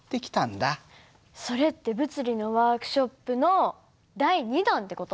それって物理のワークショップの第２弾って事？